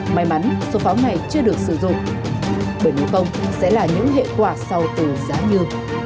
may mắn số pháo này chưa được sử dụng bởi công sẽ là những hệ quả sau từ giá như